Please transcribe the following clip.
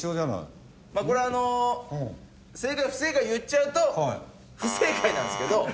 これあの正解不正解言っちゃうと不正解なんですけど。